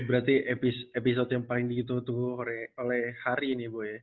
berarti episode yang paling dihitung oleh hari nih bu